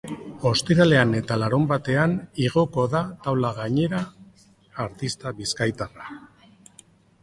Ostiralean eta larunbatean igoko da taula gainera artista bizkaitarra.